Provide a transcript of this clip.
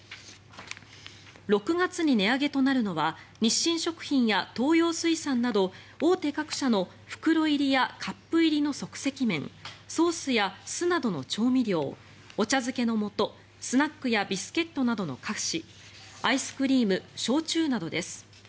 ６月に値上げとなるのは日清食品や東洋水産など大手各社の袋入りやカップ入りの即席麺ソースや酢などの調味料お茶漬けのもとスナックやビスケットなどの菓子アイスクリーム、焼酎などです。